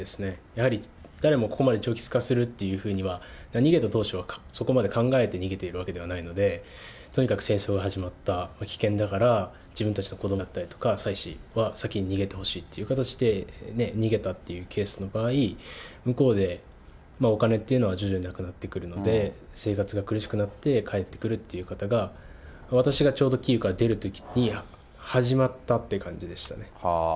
やはり誰もここまで長期化するっていうふうには、逃げた当初はそこまで考えて逃げているわけではないので、とにかく戦争が始まった、危険だから自分たちと子どもであったりとか、妻子は先に逃げてほしいという形で、逃げたっていうケースの場合、向こうでお金っていうのは徐々になくなってくるので、生活が苦しくなって帰ってくるっていう方が私がちょうどキーウから出るときに始まったっていう感じでしたね。